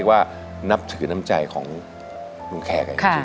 ก็นับถือน้ำใจของลูกแขก